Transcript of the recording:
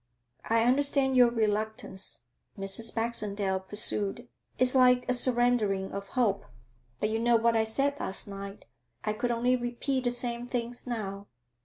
'I understand your reluctance,' Mrs. Baxendale pursued. 'It's like a surrendering of hope. But you know what I said last night; I could only repeat the same things now.